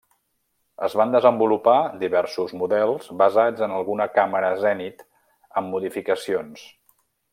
Es van desenvolupar diversos models basats en alguna càmera Zenit amb modificacions.